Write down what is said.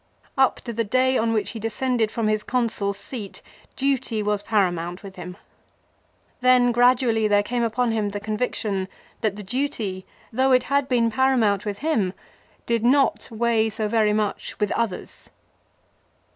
Up to the day on which he descended from his Consul's seat duty was paramount with him. Then gradually there came upon him conviction that the duty, though it had been paramount with him, did not weigh so very much with others.